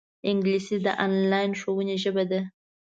انګلیسي د انلاین ښوونې ژبه ده